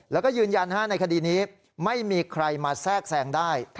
แล้วก็ยืนยันในคดีนี้ไม่มีใครมาแทรกแทรงได้